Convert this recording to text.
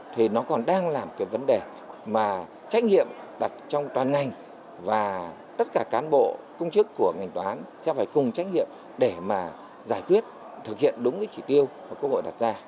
thì nó còn đang là một cái vấn đề mà trách nhiệm đặt trong toàn ngành và tất cả cán bộ công chức của ngành toán sẽ phải cùng trách nhiệm để mà giải quyết thực hiện đúng cái chỉ tiêu mà quốc hội đặt ra